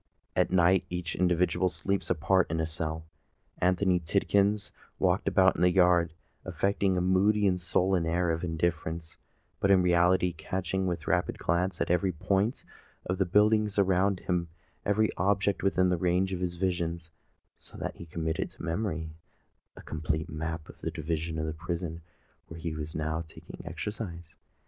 At night each individual sleeps apart in a cell. Anthony Tidkins walked about the yard, affecting a moody and sullen air of indifference, but in reality catching with rapid glance every point of the buildings around him—every object within the range of his vision; so that he committed to memory a complete map of that division of the prison where he was now taking exercise.